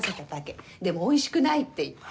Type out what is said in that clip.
でもおいしくないって言って。